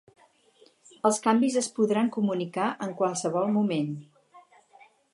Els canvis es podran comunicar en qualsevol moment.